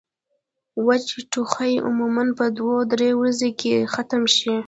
وچ ټوخی عموماً پۀ دوه درې ورځې کښې ختم شي